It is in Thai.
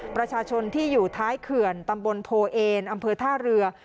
ประชาชนที่อยู่ท้ายเขื่อนตำบลโพเอนอำเภอท่าเรือ